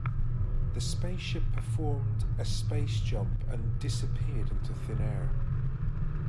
The space ship performed a space-jump and disappeared into thin air.